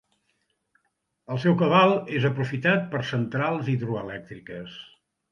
El seu cabal és aprofitat per centrals hidroelèctriques.